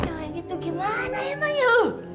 yang lain itu gimana ya ma you